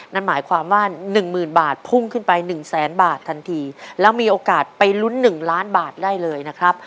นั่นหมายความว่าหนึ่งหมื่นบาทพุ่งขึ้นไปหนึ่งแสนบาททันทีแล้วมีโอกาสไปลุ้นหนึ่งล้านบาทได้เลยนะครับ